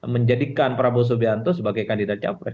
menjadikan prabowo subianto sebagai kandidat capres